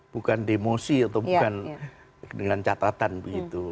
bukan demosi atau bukan dengan catatan begitu